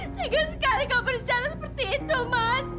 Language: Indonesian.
teguh sekali kau berjalan seperti itu mas